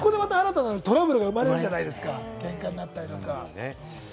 新たなトラブルが生まれるじゃないですか、ケンカになったりとか。